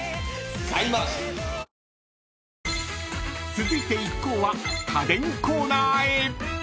［続いて一行は家電コーナーへ］